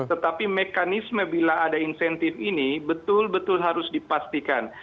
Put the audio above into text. tetapi mekanisme bila ada insentif ini betul betul harus dipastikan